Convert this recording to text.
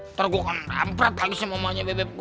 ntar gue akan rempret lagi sama mamanya bebek gue